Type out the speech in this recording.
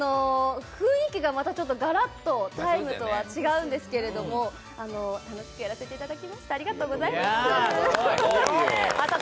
雰囲気がまたガラッと「ＴＩＭＥ，」とは違うんですけれど楽しくやらせていただきました。